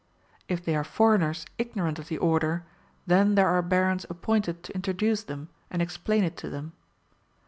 If they are foreigners ignorant of the order, then there are Barons appointed to introduce them, and explain it to them.